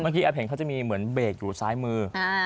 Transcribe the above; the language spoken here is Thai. เมื่อกี้เอาเพลงเขาจะมีเหมือนเบรกอยู่ซ้ายมือ